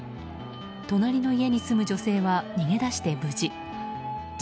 隣の家に住む女性は逃げ出して無事。